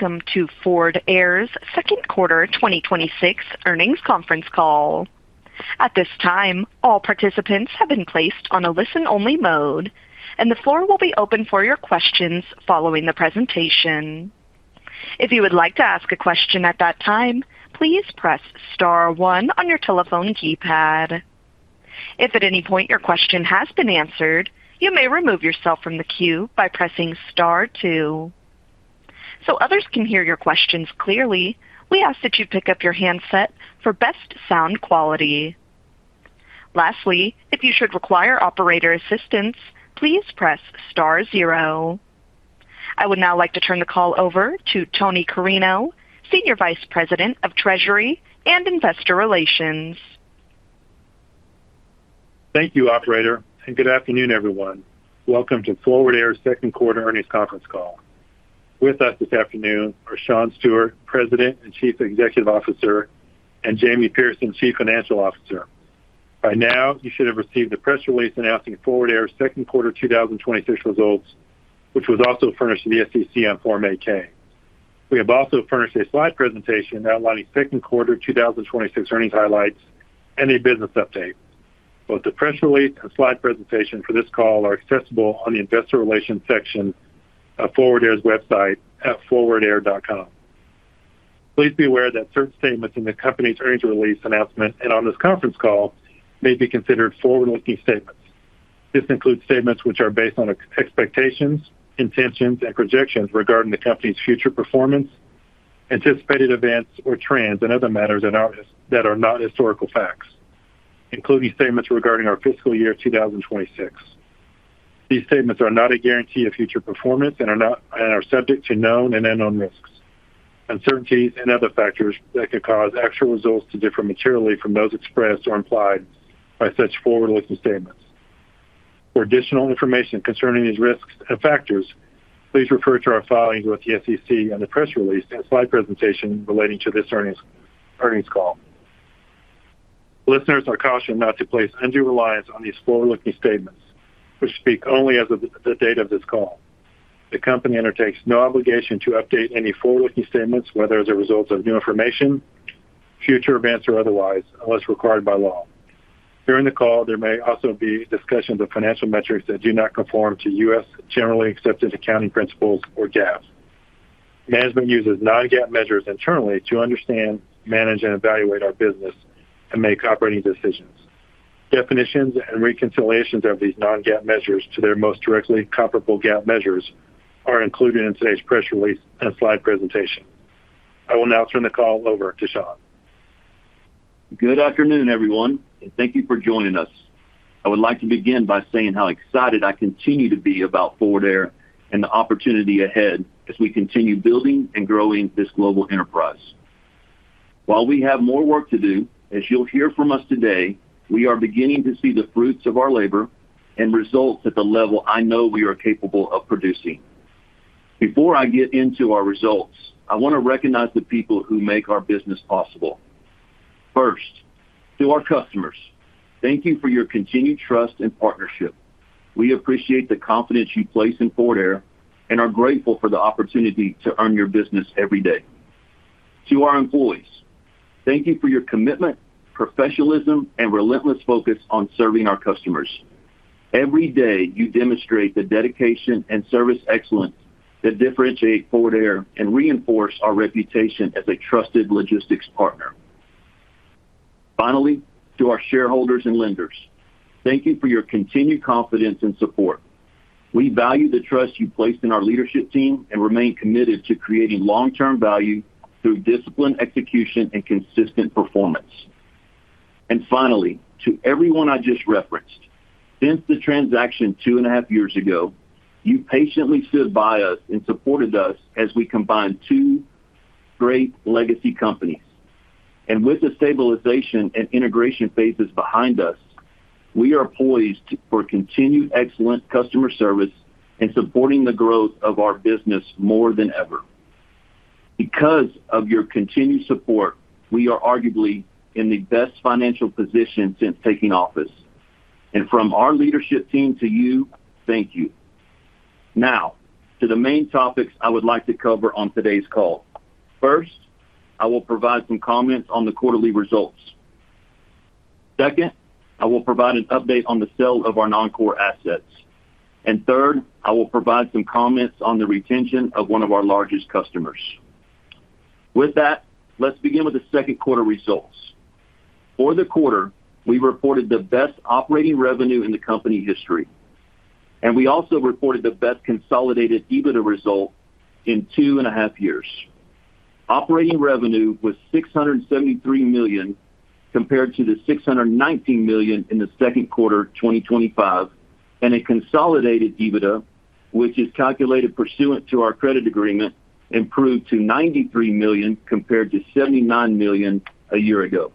Welcome to Forward Air's second quarter 2026 earnings conference call. At this time, all participants have been placed on a listen-only mode, and the floor will be open for your questions following the presentation. If you would like to ask a question at that time, please press star one on your telephone keypad. If at any point your question has been answered, you may remove yourself from the queue by pressing star two. Others can hear your questions clearly, we ask that you pick up your handset for best sound quality. Lastly, if you should require operator assistance, please press star zero. I would now like to turn the call over to Tony Carreño, Senior Vice President of Treasury and Investor Relations. Thank you, operator. Good afternoon, everyone. Welcome to Forward Air's second quarter earnings conference call. With us this afternoon are Shawn Stewart, President and Chief Executive Officer, and Jamie Pierson, Chief Financial Officer. By now, you should have received the press release announcing Forward Air's second quarter 2026 results, which was also furnished to the SEC on Form 8-K. We have also furnished a slide presentation outlining second quarter 2026 earnings highlights and a business update. Both the press release and slide presentation for this call are accessible on the investor relations section of forwardair.com. Please be aware that certain statements in the company's earnings release announcement and on this conference call may be considered forward-looking statements. This includes statements which are based on expectations, intentions, and projections regarding the company's future performance, anticipated events or trends, and other matters that are not historical facts, including statements regarding our fiscal year 2026. These statements are not a guarantee of future performance and are subject to known and unknown risks, uncertainties and other factors that could cause actual results to differ materially from those expressed or implied by such forward-looking statements. For additional information concerning these risks and factors, please refer to our filings with the SEC and the press release and slide presentation relating to this earnings call. Listeners are cautioned not to place undue reliance on these forward-looking statements, which speak only as of the date of this call. The company undertakes no obligation to update any forward-looking statements, whether as a result of new information, future events, or otherwise, unless required by law. During the call, there may also be discussions of financial metrics that do not conform to U.S. generally accepted accounting principles, or GAAP. Management uses non-GAAP measures internally to understand, manage, and evaluate our business and make operating decisions. Definitions and reconciliations of these non-GAAP measures to their most directly comparable GAAP measures are included in today's press release and slide presentation. I will now turn the call over to Shawn. Good afternoon, everyone. Thank you for joining us. I would like to begin by saying how excited I continue to be about Forward Air and the opportunity ahead as we continue building and growing this global enterprise. While we have more work to do, as you'll hear from us today, we are beginning to see the fruits of our labor and results at the level I know we are capable of producing. Before I get into our results, I want to recognize the people who make our business possible. First, to our customers, thank you for your continued trust and partnership. We appreciate the confidence you place in Forward Air and are grateful for the opportunity to earn your business every day. To our employees, thank you for your commitment, professionalism, and relentless focus on serving our customers. Every day, you demonstrate the dedication and service excellence that differentiate Forward Air and reinforce our reputation as a trusted logistics partner. Finally, to our shareholders and lenders, thank you for your continued confidence and support. We value the trust you've placed in our leadership team and remain committed to creating long-term value through disciplined execution and consistent performance. Finally, to everyone I just referenced, since the transaction two and a half years ago, you patiently stood by us and supported us as we combined two great legacy companies. With the stabilization and integration phases behind us, we are poised for continued excellent customer service and supporting the growth of our business more than ever. Because of your continued support, we are arguably in the best financial position since taking office. From our leadership team to you, thank you. Now, to the main topics I would like to cover on today's call. First, I will provide some comments on the quarterly results. Second, I will provide an update on the sale of our non-core assets. Third, I will provide some comments on the retention of one of our largest customers. With that, let's begin with the second quarter results. For the quarter, we reported the best operating revenue in the company history. We also reported the best consolidated EBITDA result in two and a half years. Operating revenue was $673 million, compared to the $619 million in the second quarter of 2025. A consolidated EBITDA, which is calculated pursuant to our credit agreement, improved to $93 million compared to $79 million a year ago.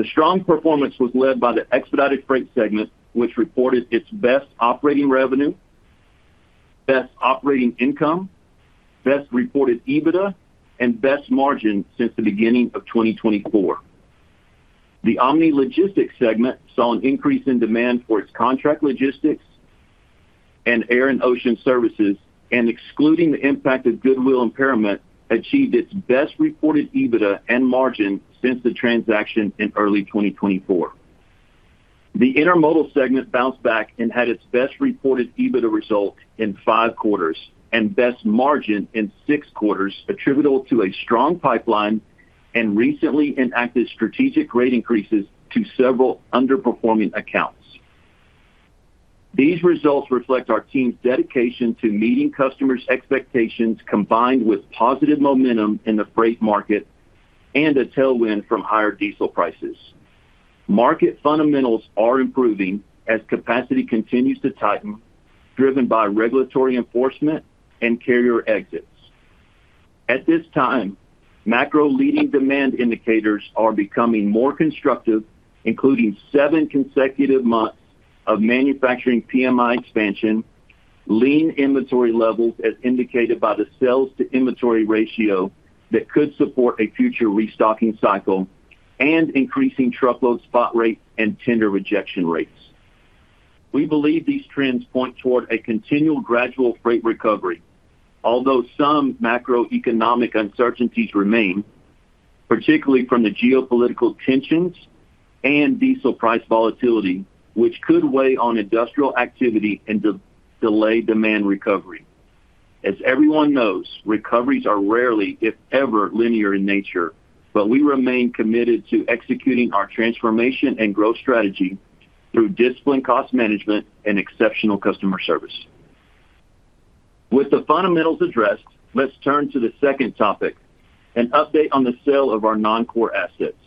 The strong performance was led by the expedited freight segment, which reported its best operating revenue, best operating income, best reported EBITDA, and best margin since the beginning of 2024. The Omni Logistics segment saw an increase in demand for its contract logistics and air and ocean services. Excluding the impact of goodwill impairment, achieved its best reported EBITDA and margin since the transaction in early 2024. The Intermodal segment bounced back and had its best reported EBITDA result in five quarters and best margin in six quarters, attributable to a strong pipeline and recently enacted strategic rate increases to several underperforming accounts. These results reflect our team's dedication to meeting customers' expectations, combined with positive momentum in the freight market and a tailwind from higher diesel prices. Market fundamentals are improving as capacity continues to tighten, driven by regulatory enforcement and carrier exits. At this time, macro leading demand indicators are becoming more constructive, including seven consecutive months of manufacturing PMI expansion, lean inventory levels as indicated by the sales-to-inventory ratio that could support a future restocking cycle, and increasing truckload spot rates and tender rejection rates. We believe these trends point toward a continual, gradual freight recovery. Although some macroeconomic uncertainties remain, particularly from the geopolitical tensions and diesel price volatility, which could weigh on industrial activity and delay demand recovery. As everyone knows, recoveries are rarely, if ever, linear in nature, but we remain committed to executing our transformation and growth strategy through disciplined cost management and exceptional customer service. With the fundamentals addressed, let's turn to the second topic, an update on the sale of our non-core assets.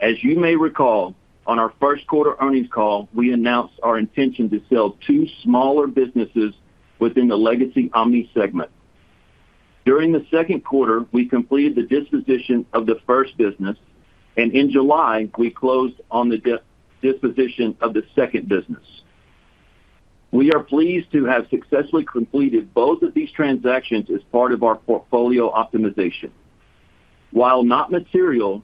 As you may recall, on our first quarter earnings call, we announced our intention to sell two smaller businesses within the legacy Omni segment. During the second quarter, we completed the disposition of the first business, and in July, we closed on the disposition of the second business. We are pleased to have successfully completed both of these transactions as part of our portfolio optimization. While not material,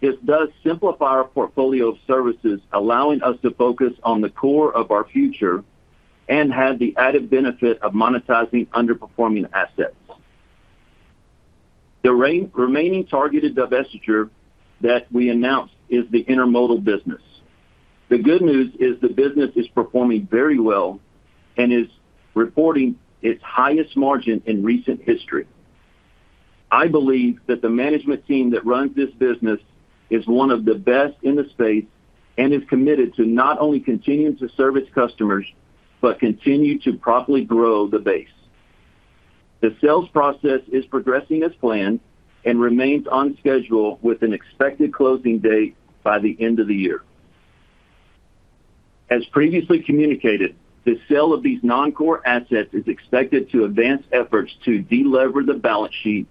this does simplify our portfolio of services, allowing us to focus on the core of our future and have the added benefit of monetizing underperforming assets. The remaining targeted divestiture that we announced is the Intermodal business. The good news is the business is performing very well and is reporting its highest margin in recent history. I believe that the management team that runs this business is one of the best in the space and is committed to not only continuing to service customers but continue to profitably grow the base. The sales process is progressing as planned and remains on schedule with an expected closing date by the end of the year. As previously communicated, the sale of these non-core assets is expected to advance efforts to de-lever the balance sheet,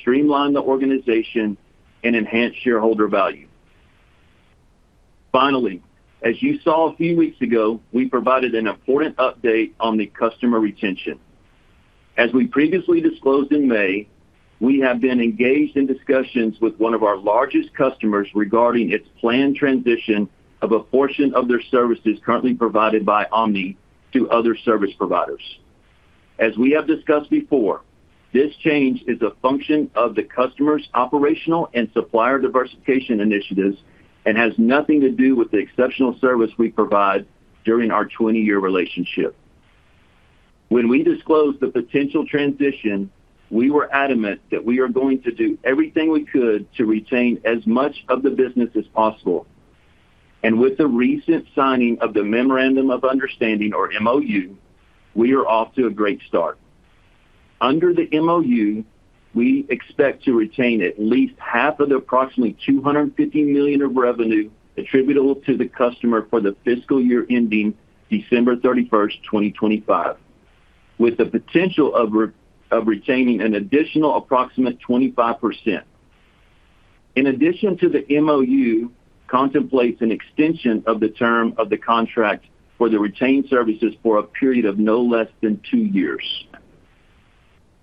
streamline the organization, and enhance shareholder value. Finally, as you saw a few weeks ago, we provided an important update on the customer retention. As we previously disclosed in May, we have been engaged in discussions with one of our largest customers regarding its planned transition of a portion of their services currently provided by Omni to other service providers. As we have discussed before, this change is a function of the customer's operational and supplier diversification initiatives and has nothing to do with the exceptional service we provide during our 20-year relationship. With the recent signing of the memorandum of understanding, or MOU, we are off to a great start. Under the MOU, we expect to retain at least half of the approximately $250 million of revenue attributable to the customer for the fiscal year ending December 31st, 2025, with the potential of retaining an additional approximate 25%. In addition to the MOU, contemplates an extension of the term of the contract for the retained services for a period of no less than two years.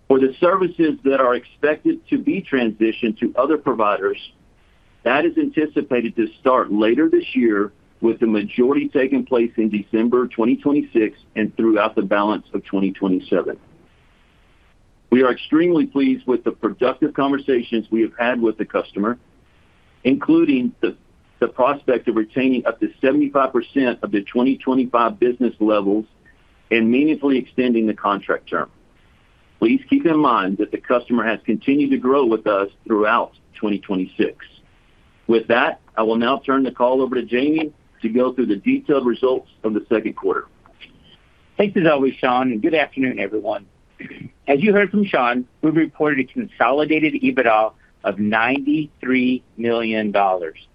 For the services that are expected to be transitioned to other providers, that is anticipated to start later this year, with the majority taking place in December 2026 and throughout the balance of 2027. We are extremely pleased with the productive conversations we have had with the customer, including the prospect of retaining up to 75% of the 2025 business levels and meaningfully extending the contract term. Please keep in mind that the customer has continued to grow with us throughout 2026. With that, I will now turn the call over to Jamie to go through the detailed results from the second quarter. Thanks as always, Sean. Good afternoon, everyone. As you heard from Sean, we reported a consolidated EBITDA of $93 million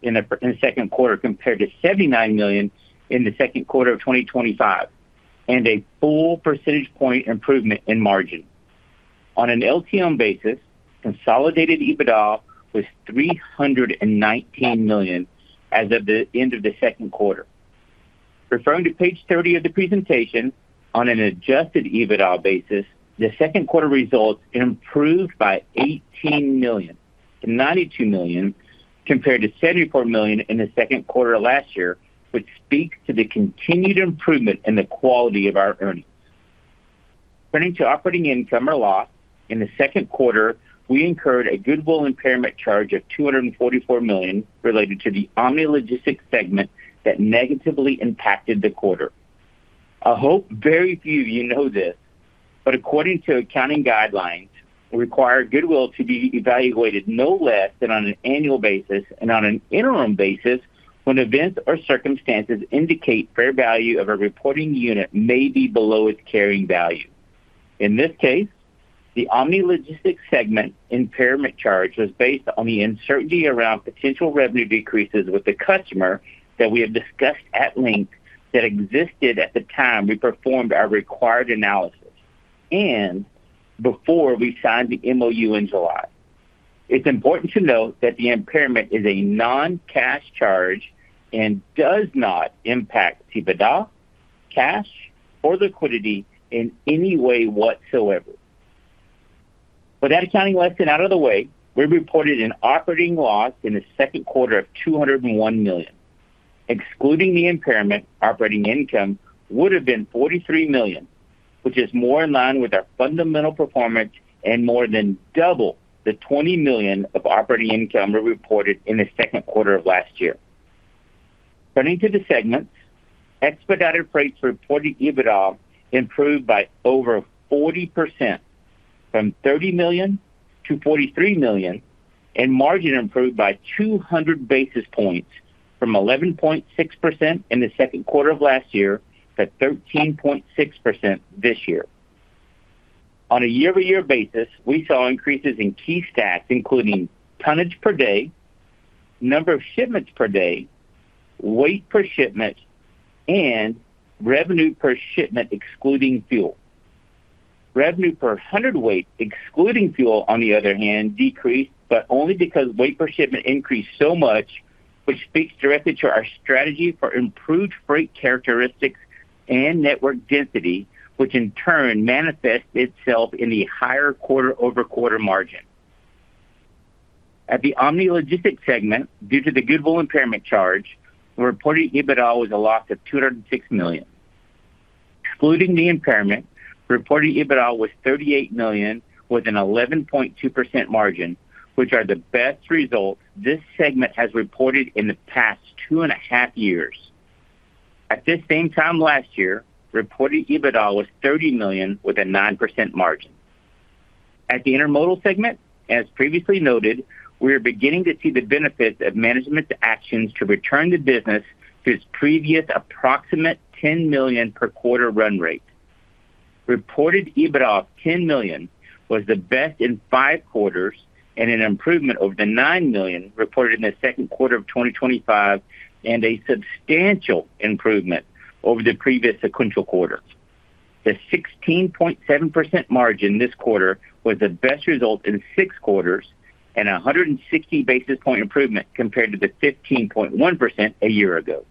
in the second quarter, compared to $79 million in the second quarter of 2025, and a full percentage point improvement in margin. On an LTM basis, consolidated EBITDA was $319 million as of the end of the second quarter. Referring to page 30 of the presentation, on an adjusted EBITDA basis, the second quarter results improved by $18 million to $92 million, compared to $74 million in the second quarter of last year, which speaks to the continued improvement in the quality of our earnings. Turning to operating income or loss, in the second quarter, we incurred a goodwill impairment charge of $244 million related to the Omni Logistics segment that negatively impacted the quarter. I hope very few of you know this, according to accounting guidelines, require goodwill to be evaluated no less than on an annual basis and on an interim basis when events or circumstances indicate fair value of a reporting unit may be below its carrying value. In this case, the Omni Logistics segment impairment charge was based on the uncertainty around potential revenue decreases with the customer that we have discussed at length that existed at the time we performed our required analysis and before we signed the MoU in July. It's important to note that the impairment is a non-cash charge and does not impact EBITDA, cash, or liquidity in any way whatsoever. With that accounting lesson out of the way, we reported an operating loss in the second quarter of $201 million. Excluding the impairment, operating income would have been $43 million, which is more in line with our fundamental performance and more than double the $20 million of operating income we reported in the second quarter of last year. Turning to the segments, Expedited Freight reported EBITDA improved by over 40%, from $30 million to $43 million, and margin improved by 200 basis points from 11.6% in the second quarter of last year to 13.6% this year. On a year-over-year basis, we saw increases in key stats, including tonnage per day, number of shipments per day, weight per shipment, and revenue per shipment excluding fuel. Revenue per hundred weight, excluding fuel, on the other hand, decreased, only because weight per shipment increased so much, which speaks directly to our strategy for improved freight characteristics and network density, which in turn manifests itself in the higher quarter-over-quarter margin. At the Omni Logistics segment, due to the goodwill impairment charge, the reported EBITDA was a loss of $206 million. Excluding the impairment, reported EBITDA was $38 million with an 11.2% margin, which are the best results this segment has reported in the past two and a half years. At this same time last year, reported EBITDA was $30 million with a 9% margin. At the Intermodal segment, as previously noted, we are beginning to see the benefits of management's actions to return the business to its previous approximate $10 million per quarter run rate. Reported EBITDA of $10 million was the best in five quarters and an improvement over the $9 million reported in the second quarter of 2025 and a substantial improvement over the previous sequential quarter. The 16.7% margin this quarter was the best result in six quarters and 160 basis point improvement compared to the 15.1% a year ago.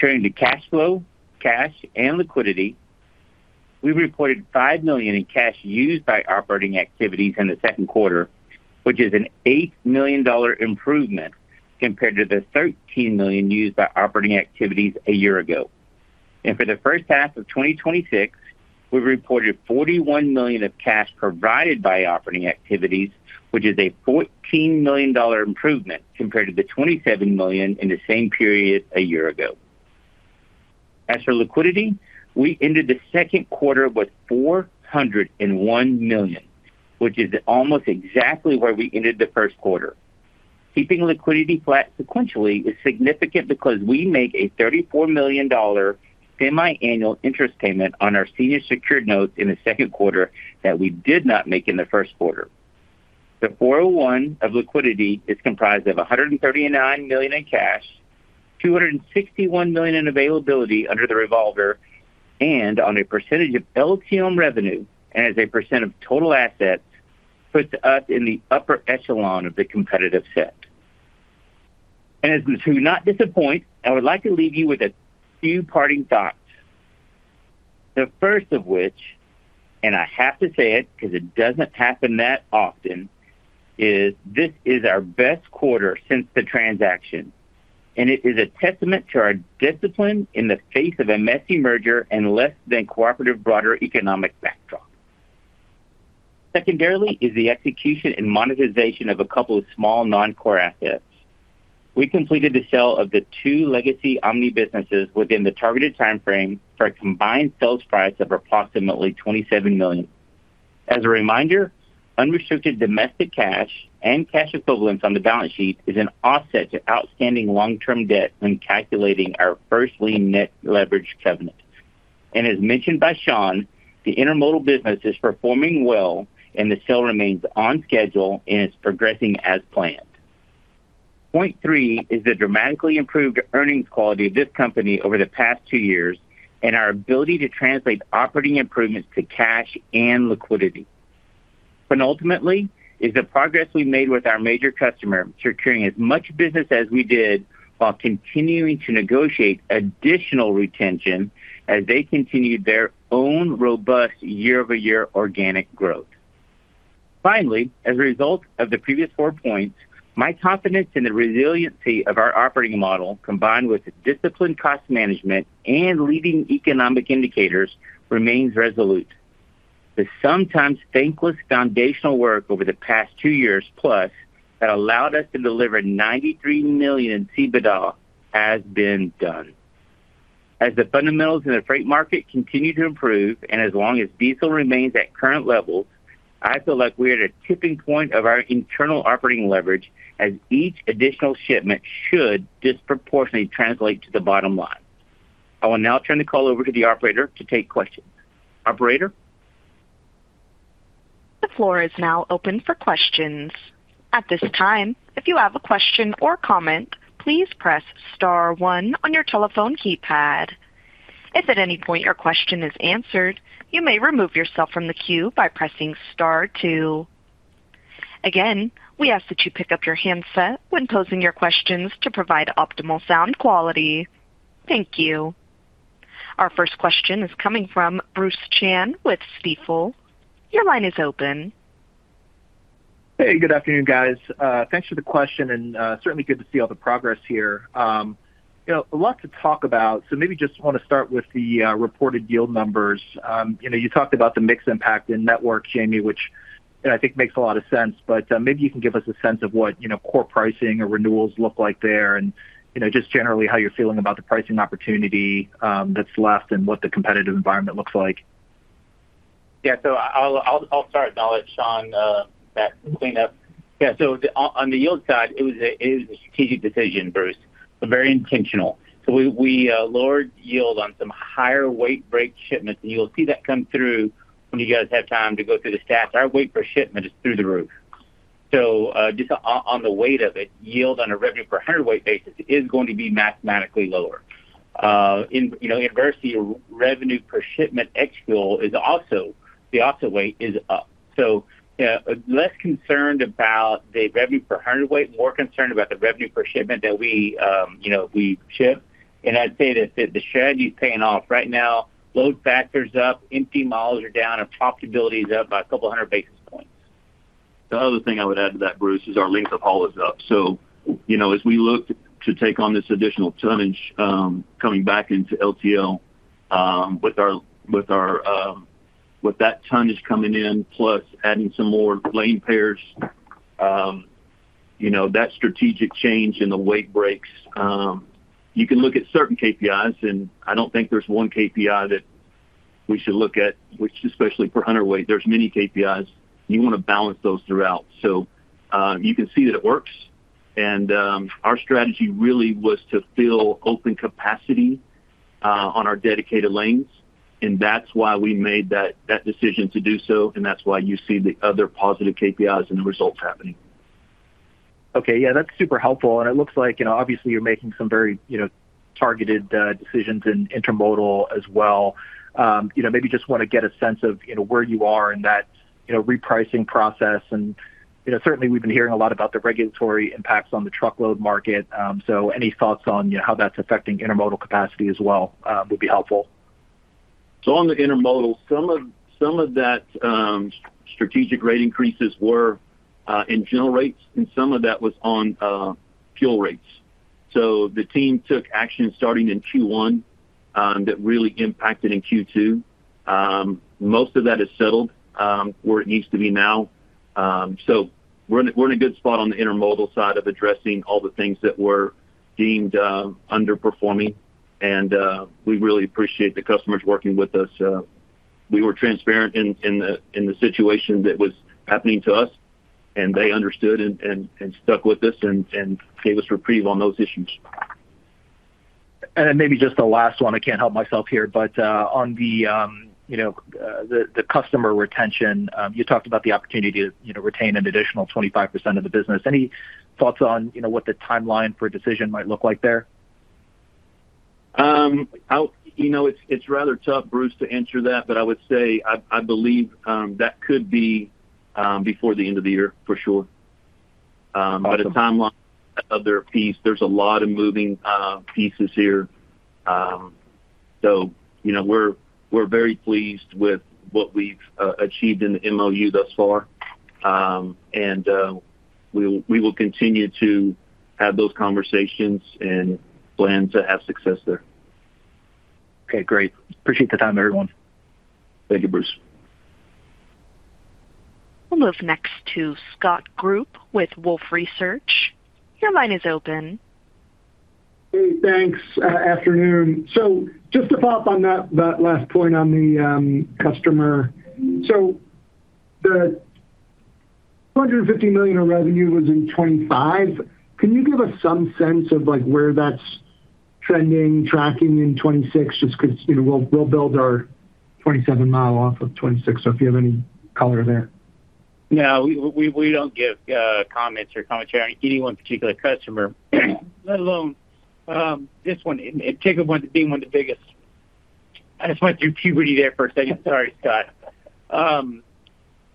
Turning to cash flow, cash, and liquidity, we reported $5 million in cash used by operating activities in the second quarter, which is an $8 million improvement compared to the $13 million used by operating activities a year ago. For the first half of 2026, we reported $41 million of cash provided by operating activities, which is a $14 million improvement compared to the $27 million in the same period a year ago. As for liquidity, we ended the second quarter with $401 million, which is almost exactly where we ended the first quarter. Keeping liquidity flat sequentially is significant because we make a $34 million semiannual interest payment on our senior secured notes in the second quarter that we did not make in the first quarter. The $401 of liquidity is comprised of $139 million in cash, $261 million in availability under the revolver, and on a percentage of LTM revenue and as a percent of total assets, puts us in the upper echelon of the competitive set. As to not disappoint, I would like to leave you with a few parting thoughts. The first of which, I have to say it because it doesn't happen that often, is this is our best quarter since the transaction, and it is a testament to our discipline in the face of a messy merger and less than cooperative broader economic backdrop. Secondarily is the execution and monetization of a couple of small non-core assets. We completed the sale of the two legacy Omni businesses within the targeted timeframe for a combined sales price of approximately $27 million. As a reminder, unrestricted domestic cash and cash equivalents on the balance sheet is an offset to outstanding long-term debt when calculating our first lien net leverage covenant. As mentioned by Shawn, the Intermodal business is performing well, and the sale remains on schedule and is progressing as planned. Point three is the dramatically improved earnings quality of this company over the past two years and our ability to translate operating improvements to cash and liquidity. Ultimately, is the progress we made with our major customer securing as much business as we did while continuing to negotiate additional retention as they continued their own robust year-over-year organic growth. Finally, as a result of the previous four points, my confidence in the resiliency of our operating model, combined with the disciplined cost management and leading economic indicators, remains resolute. The sometimes thankless foundational work over the past two years plus that allowed us to deliver $93 million in EBITDA, has been done. As the fundamentals in the freight market continue to improve, and as long as diesel remains at current levels, I feel like we're at a tipping point of our internal operating leverage, as each additional shipment should disproportionately translate to the bottom line. I will now turn the call over to the operator to take questions. Operator? The floor is now open for questions. At this time, if you have a question or comment, please press star one on your telephone keypad. If at any point your question is answered, you may remove yourself from the queue by pressing star two. Again, we ask that you pick up your handset when posing your questions to provide optimal sound quality. Thank you. Our first question is coming from Bruce Chan with Stifel. Your line is open. Hey, good afternoon, guys. Thanks for the question and certainly good to see all the progress here. A lot to talk about. Maybe just want to start with the reported yield numbers. You talked about the mix impact in network, Jamie, which I think makes a lot of sense. Maybe you can give us a sense of what core pricing or renewals look like there and just generally how you're feeling about the pricing opportunity that's left and what the competitive environment looks like. Yeah. I'll start, I'll let Shawn back clean up. Yeah. On the yield side, it was a strategic decision, Bruce. Very intentional. We lowered yield on some higher weight break shipments, and you'll see that come through when you guys have time to go through the stats. Our weight per shipment is through the roof. Just on the weight of it, yield on a revenue per hundred weight basis is going to be mathematically lower. In adversity, revenue per shipment, ex fuel is also, the offset weight is up. Less concerned about the revenue per hundred weight, more concerned about the revenue per shipment that we ship. I'd say that the strategy is paying off right now. Load factors up, empty miles are down, and profitability is up by a couple of hundred basis points. The other thing I would add to that, Bruce, is our length of haul is up. As we look to take on this additional tonnage coming back into LTL with that tonnage coming in, plus adding some more lane pairs, that strategic change in the weight breaks. You can look at certain KPIs, and I don't think there's one KPI that we should look at, which especially per hundredweight, there's many KPIs, and you want to balance those throughout. You can see that it works. Our strategy really was to fill open capacity on our dedicated lanes, and that's why we made that decision to do so. That's why you see the other positive KPIs and the results happening. Okay. Yeah, that's super helpful. It looks like obviously you're making some very targeted decisions in intermodal as well. Maybe I just want to get a sense of where you are in that repricing process. Certainly we've been hearing a lot about the regulatory impacts on the truckload market. Any thoughts on how that's affecting intermodal capacity as well would be helpful. On the intermodal, some of that strategic rate increases were in general rates and some of that was on fuel rates. The team took action starting in Q1 that really impacted in Q2. Most of that is settled where it needs to be now. We're in a good spot on the intermodal side of addressing all the things that were deemed underperforming, and we really appreciate the customers working with us. We were transparent in the situation that was happening to us, and they understood and stuck with us and gave us reprieve on those issues. Then maybe just the last one, I can't help myself here, but on the customer retention, you talked about the opportunity to retain an additional 25% of the business. Any thoughts on what the timeline for a decision might look like there? It's rather tough, Bruce, to answer that. I would say I believe that could be before the end of the year for sure. Awesome. The timeline of their piece, there's a lot of moving pieces here. We're very pleased with what we've achieved in the MOU thus far. We will continue to have those conversations and plan to have success there. Okay, great. Appreciate the time, everyone. Thank you, Bruce. We'll move next to Scott Group with Wolfe Research. Your line is open. Hey, thanks. Afternoon. Just to follow up on that last point on the customer. The $250 million of revenue was in 2025. Can you give us some sense of where that's trending, tracking in 2026, just because we'll build our 2027 model off of 2026. If you have any color there. No, we don't give comments or commentary on any one particular customer, let alone this one being one of the biggest. I just went through puberty there for a second. Sorry, Scott.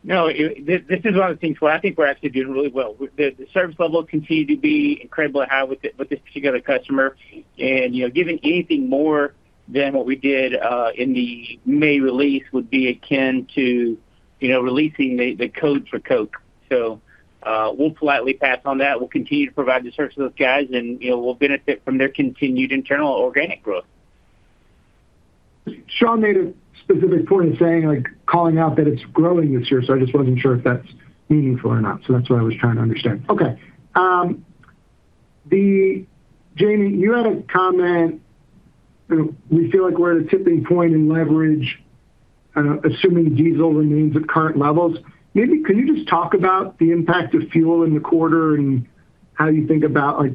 No, this is one of the things where I think we're actually doing really well. The service level continued to be incredibly high with this particular customer, and giving anything more than what we did in the May release would be akin to releasing the code for Coke. We'll politely pass on that. We'll continue to provide the service to those guys, and we'll benefit from their continued internal organic growth. Shawn made a specific point in saying, calling out that it's growing this year. I just wasn't sure if that's meaningful or not. That's what I was trying to understand. Okay. Jamie, you had a comment. You feel like we're at a tipping point in leverage assuming diesel remains at current levels. Maybe could you just talk about the impact of fuel in the quarter, and how you think about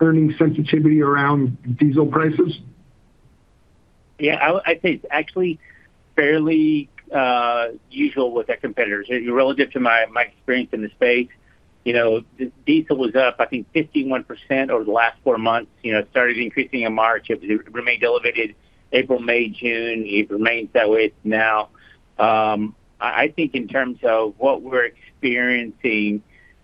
earning sensitivity around diesel prices? I think it's actually fairly usual with our competitors. Relative to my experience in the space, diesel was up, I think 51% over the last four months. It started increasing in March. It remained elevated April, May, June. It remains that way now. I think in terms of what we're experiencing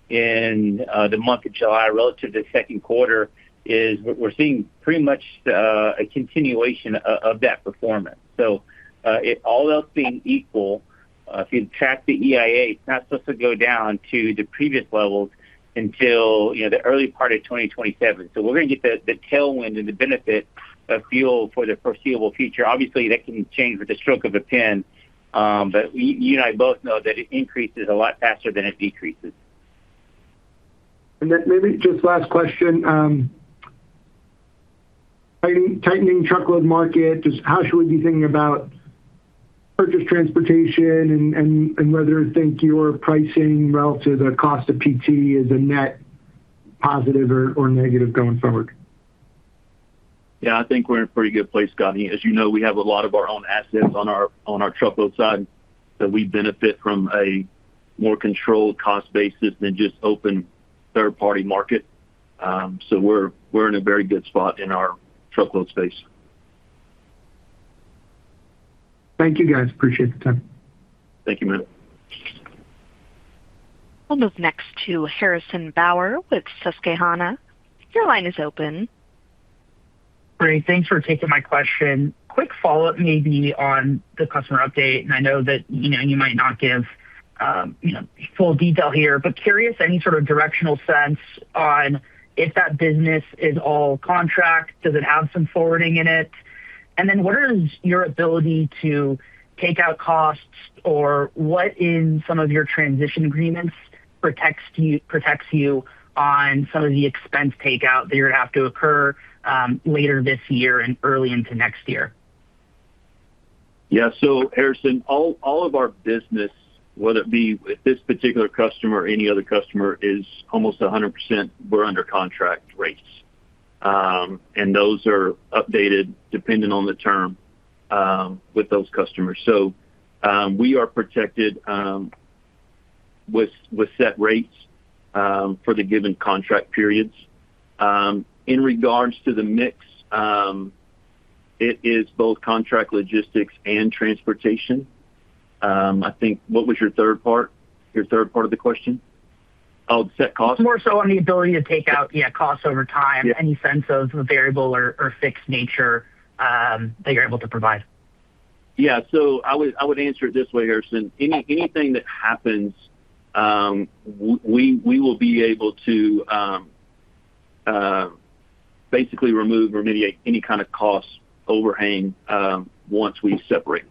in the month of July relative to second quarter is we're seeing pretty much a continuation of that performance. All else being equal, if you track the EIA, it's not supposed to go down to the previous levels until the early part of 2027. We're going to get the tailwind and the benefit of fuel for the foreseeable future. Obviously, that can change with the stroke of a pen. You and I both know that it increases a lot faster than it decreases. Maybe just last question. Tightening truckload market, just how should we be thinking about purchase transportation and whether you think your pricing relative to cost of PT is a net positive or negative going forward? I think we're in a pretty good place, Scott. As you know, we have a lot of our own assets on our truckload side that we benefit from a more controlled cost basis than just open third-party market. We're in a very good spot in our truckload space. Thank you, guys. Appreciate the time. Thank you, man. We'll move next to Harrison Bauer with Susquehanna. Your line is open. Great. Thanks for taking my question. Quick follow-up maybe on the customer update, and I know that you might not give full detail here, but curious any sort of directional sense on if that business is all contract. Does it have some forwarding in it? What is your ability to take out costs or what in some of your transition agreements protects you on some of the expense takeout that you're going to have to occur later this year and early into next year? Yeah. Harrison, all of our business, whether it be with this particular customer or any other customer, is almost 100%, we're under contract rates. Those are updated depending on the term with those customers. We are protected with set rates for the given contract periods. In regards to the mix, it is both contract logistics and transportation. I think, what was your third part of the question? Oh, set costs? More so on the ability to take out costs over time. Yeah. Any sense of a variable or fixed nature that you're able to provide? Yeah. I would answer it this way, Harrison. Anything that happens, we will be able to basically remove or mitigate any kind of cost overhang once we separate.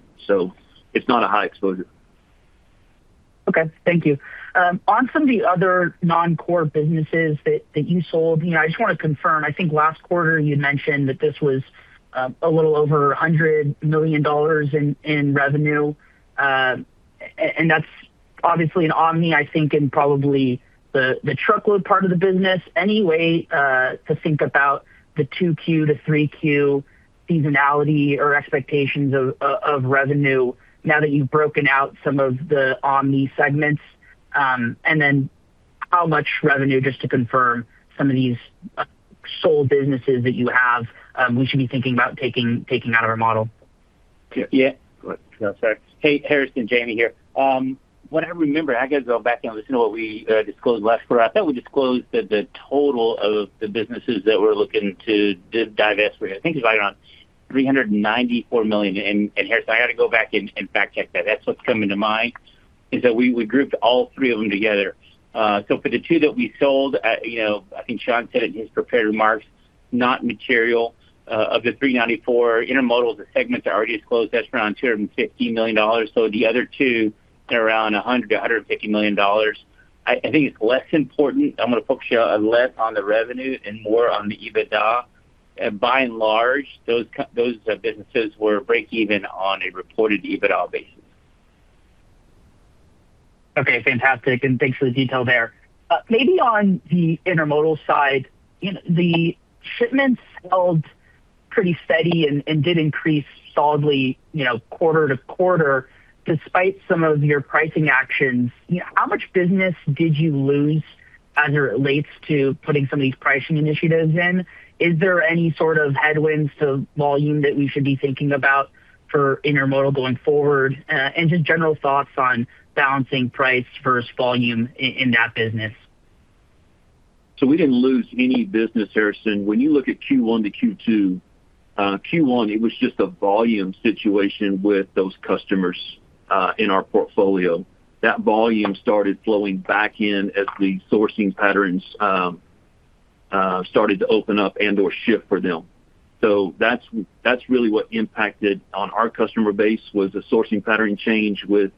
It's not a high exposure. Okay. Thank you. On some of the other non-core businesses that you sold, I just want to confirm, I think last quarter you had mentioned that this was a little over $100 million in revenue. That's obviously in an Omni, I think, and probably the truckload part of the business. Any way to think about the 2Q to 3Q seasonality or expectations of revenue now that you've broken out some of the Omni segments? How much revenue, just to confirm, some of these sold businesses that you have we should be thinking about taking out of our model? Yeah. Go ahead. Sorry. Hey, Harrison, Jamie here. What I remember, I got to go back and listen to what we disclosed last quarter. I thought we disclosed that the total of the businesses that we're looking to divest, I think is right around $394 million. Harrison, I got to go back and fact check that. That's what's coming to mind, is that we grouped all three of them together. For the two that we sold, I think Shawn said it in his prepared remarks, not material of the $394 intermodal segments already disclosed. That's around $250 million. The other two are around $100 million to $150 million. I think it's less important. I'm going to focus you less on the revenue and more on the EBITDA. By and large, those businesses were break even on a reported EBITDA basis. Okay. Fantastic. Thanks for the detail there. Maybe on the intermodal side, the shipments held pretty steady and did increase solidly quarter-to-quarter despite some of your pricing actions. How much business did you lose as it relates to putting some of these pricing initiatives in? Is there any sort of headwinds to volume that we should be thinking about for intermodal going forward? Just general thoughts on balancing price versus volume in that business. We didn't lose any business, Harrison. When you look at Q1 to Q2, Q1, it was just a volume situation with those customers in our portfolio. That volume started flowing back in as the sourcing patterns started to open up and/or shift for them. That's really what impacted on our customer base, was a sourcing pattern change with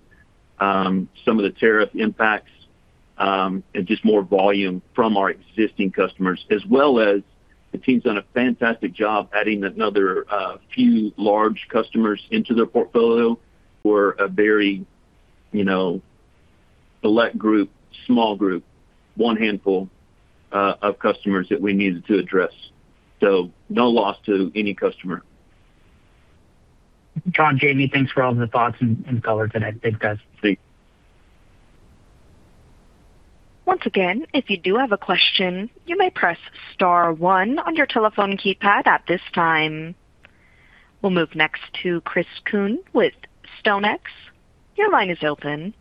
some of the tariff impacts, and just more volume from our existing customers, as well as the team's done a fantastic job adding another few large customers into their portfolio who are a very select group, small group, one handful of customers that we needed to address. No loss to any customer. John, Jamie, thanks for all the thoughts and color tonight. Thanks, guys. Thanks. Once again, if you do have a question, you may press star one on your telephone keypad at this time. We'll move next to Chris Kuhn with StoneX. Your line is open.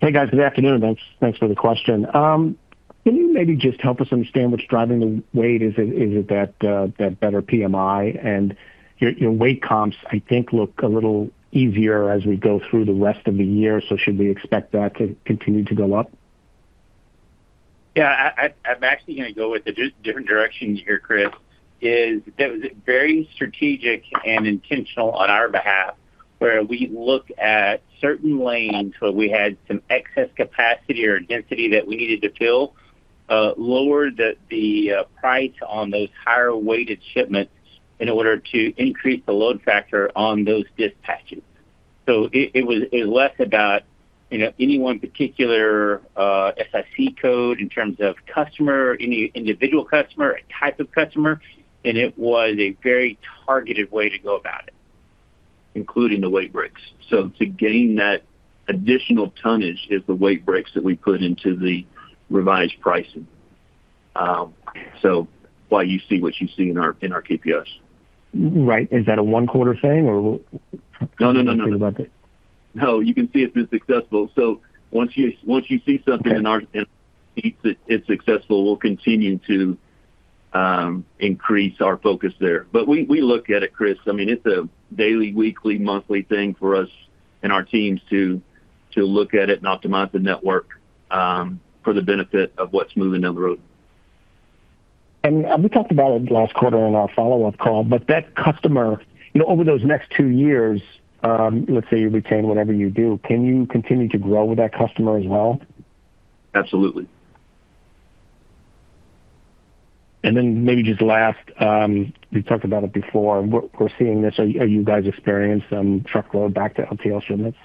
Hey, guys. Good afternoon. Thanks for the question. Can you maybe just help us understand what's driving the weight? Is it that better PMI? Your weight comps, I think, look a little easier as we go through the rest of the year, so should we expect that to continue to go up? Yeah. I'm actually going to go with a different direction here, Chris, is that was very strategic and intentional on our behalf, where we looked at certain lanes where we had some excess capacity or density that we needed to fill, lowered the price on those higher weighted shipments in order to increase the load factor on those dispatches. It was less about any one particular SIC code in terms of customer, any individual customer or type of customer, and it was a very targeted way to go about it, including the weight breaks. To gain that additional tonnage is the weight breaks that we put into the revised pricing. Why you see what you see in our KPIs. Right. Is that a one-quarter thing? No, no, no. something about. No. You can see if it's successful. Once you see something and it's successful, we'll continue to increase our focus there. We look at it, Chris. It's a daily, weekly, monthly thing for us and our teams to look at it and optimize the network for the benefit of what's moving down the road. We talked about it last quarter on our follow-up call, that customer, over those next two years, let's say you retain whatever you do, can you continue to grow with that customer as well? Absolutely. Maybe just last, we've talked about it before, we're seeing this. Are you guys experiencing some truckload back to LTL shipments?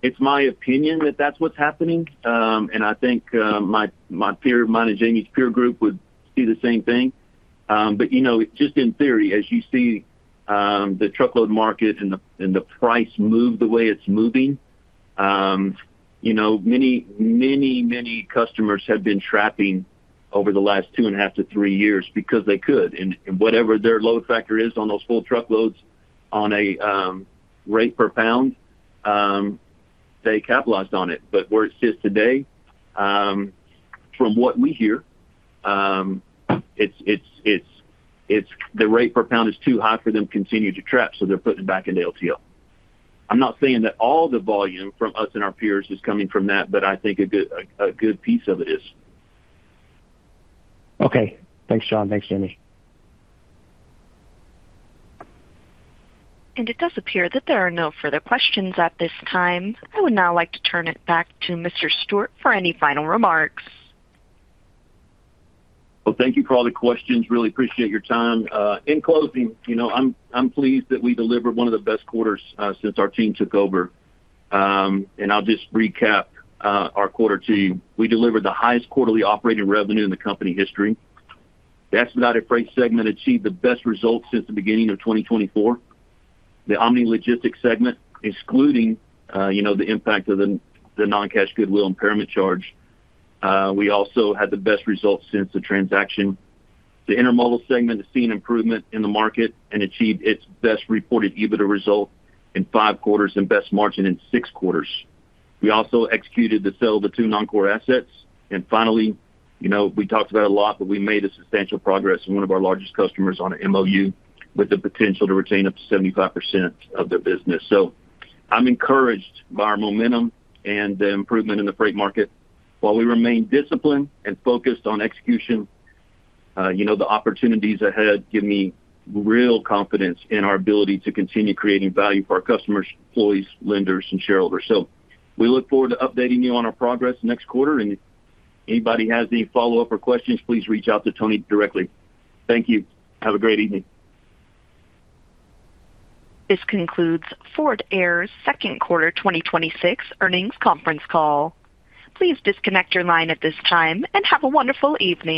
It's my opinion that that's what's happening. I think mine and Jamie's peer group would see the same thing. Just in theory, as you see the truckload market and the price move the way it's moving. Many customers have been trapping over the last two and a half to three years because they could. Whatever their load factor is on those full truckloads on a rate per pound, they capitalized on it. Where it sits today, from what we hear, the rate per pound is too high for them to continue to trap, so they're putting it back into LTL. I'm not saying that all the volume from us and our peers is coming from that, but I think a good piece of it is. Okay. Thanks, John. Thanks, Jamie. It does appear that there are no further questions at this time. I would now like to turn it back to Mr. Stewart for any final remarks. Well, thank you for all the questions. Really appreciate your time. In closing, I am pleased that we delivered one of the best quarters since our team took over. I will just recap our quarter to you. We delivered the highest quarterly operating revenue in the company history. The Expedited Freight segment achieved the best results since the beginning of 2024. The Omni Logistics segment, excluding the impact of the non-cash goodwill impairment charge, we also had the best results since the transaction. The Intermodal segment has seen improvement in the market and achieved its best reported EBITDA result in five quarters and best margin in six quarters. We also executed the sale of the two non-core assets. Finally, we talked about it a lot, we made a substantial progress with one of our largest customers on an MOU with the potential to retain up to 75% of their business. I am encouraged by our momentum and the improvement in the freight market. While we remain disciplined and focused on execution, the opportunities ahead give me real confidence in our ability to continue creating value for our customers, employees, lenders, and shareholders. We look forward to updating you on our progress next quarter. If anybody has any follow-up or questions, please reach out to Tony directly. Thank you. Have a great evening. This concludes Forward Air's second quarter 2026 earnings conference call. Please disconnect your line at this time, and have a wonderful evening.